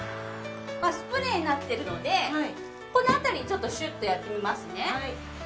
スプレーになってるのでこの辺りにちょっとシュッとやってみますね。